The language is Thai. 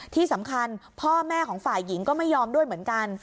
ที่สำคัญพ่อแม่ของฝ่ายหญิงก็ไม่ยอมด้วยเหมือนกัน